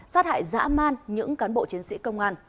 sát hại dã man những cán bộ chiến sĩ công an